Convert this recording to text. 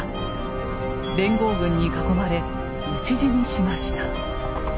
連合軍に囲まれ討ち死にしました。